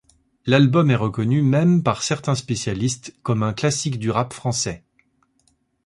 L'album est reconnu même par certains spécialistes comme un classique du rap français.